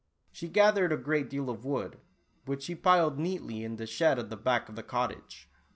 She gathered a great deal of wood, which she piled neatly in the shed at the back of the cottage.